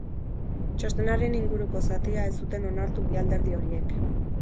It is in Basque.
Txostenaren inguruko zatia ez zuten onartu bi alderdi horiek.